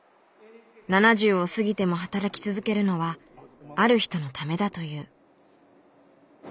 ７０を過ぎても働き続けるのはある人のためだという。